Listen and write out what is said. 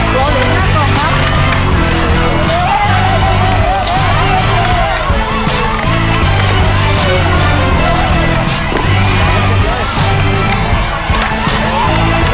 ตัวเหลือ๕กล่องครับ